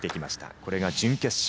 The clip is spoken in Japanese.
これが準決勝。